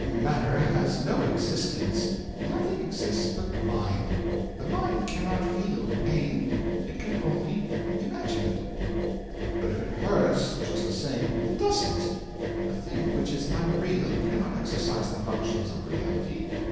Matter has no existence; nothing exists but mind; the mind cannot feel pain, it can only imagine it.' 'But if it hurts, just the same ' 'It doesn't. A thing which is unreal cannot exercise the functions of reality.